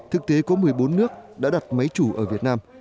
thực tế có một mươi bốn nước đã đặt máy chủ ở việt nam